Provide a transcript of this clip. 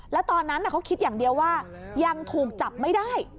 แล้วตอนนั้นเขาคิดอย่างเดียวว่ายังถูกจับไม่ได้